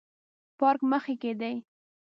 پارک مخ کې دی